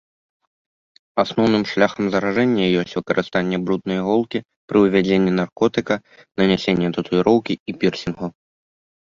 Асноўным шляхам заражэння ёсць выкарыстанне бруднай іголкі пры ўвядзенне наркотыка, нанясенні татуіроўкі і пірсінгу.